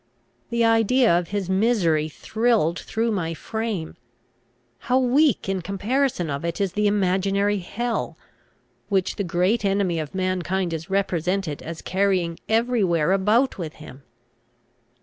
The idea of his misery thrilled through my frame. How weak in comparison of it is the imaginary hell, which the great enemy of mankind is represented as carrying every where about with him!